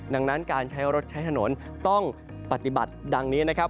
ดังนั้นการใช้รถใช้ถนนต้องปฏิบัติดังนี้นะครับ